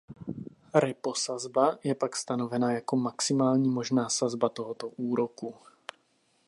Repo sazba je pak stanovena jako maximální možná sazba tohoto úroku.